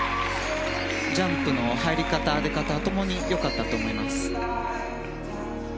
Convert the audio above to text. ジャンプの入り方、出方ともに良かったと思います。